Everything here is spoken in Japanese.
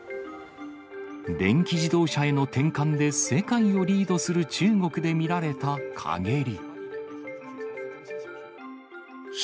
電気自動車への転換で世界をリードする中国で見られたかげり。